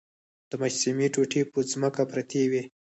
د مجسمې ټوټې په ځمکه پرتې وې.